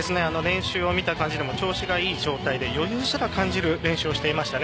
練習を見た感じでも調子がいい状態で余裕すら感じれる練習をしていました。